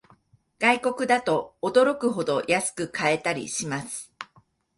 外国だと驚くほど安く買えたりします